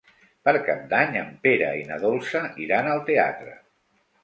Per Cap d'Any en Pere i na Dolça iran al teatre.